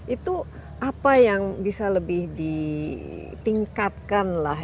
itu apa yang bisa lebih ditingkatkan lah